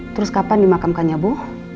terus kapan dimakamkannya bu